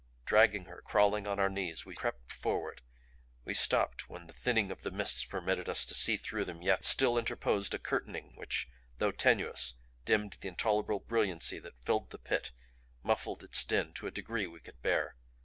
Dragging her, crawling on our knees, we crept forward; we stopped when the thinning of the mists permitted us to see through them yet still interposed a curtaining which, though tenuous, dimmed the intolerable brilliancy that filled the Pit, muffled its din to a degree we could bear.